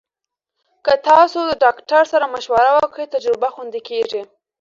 که تاسو د ډاکټر سره مشوره وکړئ، تجربه خوندي کېږي.